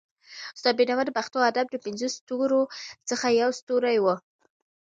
استاد بينوا د پښتو ادب د پنځو ستورو څخه يو ستوری وو.